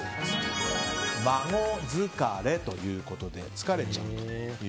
孫疲れということで疲れちゃうと。